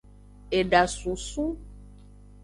Eda sunsun.